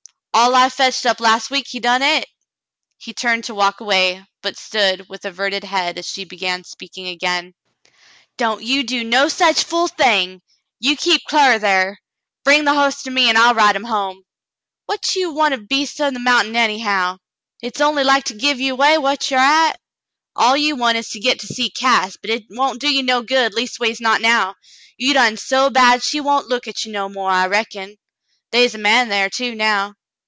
All I fetched up last week he done et." He turned to walk away, but stood with averted head as she began speaking again. 34 ' The Mountain Girl "Don't you do no such fool thing. You keep clar o* thar. Bring the hoss to me, an* I'll ride him home. What you want o' the beast on the mountain, anyhow ? Hit's only like to give away whar ye'r' at. All you want is to git to see Cass, but hit won't do you no good, leastways not now. You done so bad she won't look at ye no more, I reckon. They is a man thar, too, now."